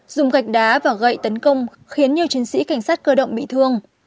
dùng gạch đá và gậy tấn công khiến nhiều chiến sĩ cảnh sát cơ động bị thương